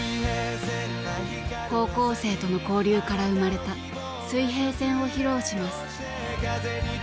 高校生との交流から生まれた「水平線」を披露します。